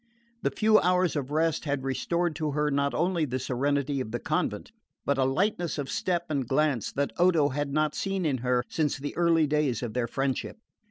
The few hours of rest had restored to her not only the serenity of the convent, but a lightness of step and glance that Odo had not seen in her since the early days of their friendship.